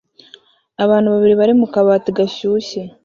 Abantu babiri bari mu kabati gashyushye